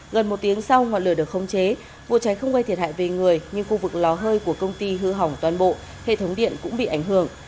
gần một tiếng sau ngọn lửa được không chế vụ cháy không gây thiệt hại về người nhưng khu vực lò hơi của công ty hư hỏng toàn bộ hệ thống điện cũng bị ảnh hưởng